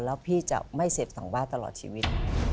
แล้วพี่จะไม่เสพสังวาดตลอดชีวิต